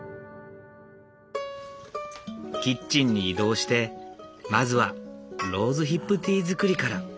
キッチンに移動してまずはローズヒップティー作りから。